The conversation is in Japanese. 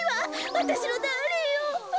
わたしのダーリンを。